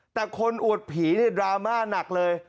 แต่คนอวดผีเนี่ยดราม่าหนักเลย